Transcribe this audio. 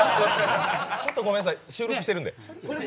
ちょっとごめんなさい収録してるんで。